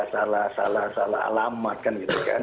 salah salah alamat kan